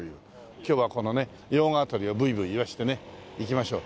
今日はこのね用賀辺りをブイブイいわせてね行きましょう。